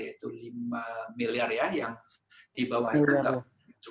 yaitu lima miliar ya yang dibawah itu